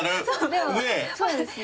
でもそうですね。